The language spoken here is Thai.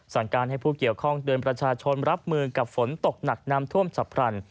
สั่งการให้ผู้เกี่ยวข้องเตือนประชาชนรับมือกับฝนตกหนักน้ำท่วมฉับพลัน